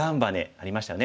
ありましたよね